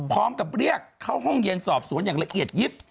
พร้อมกับเรียกเข้าห้องเย็นสอบสวนอย่างละเอียดยิบ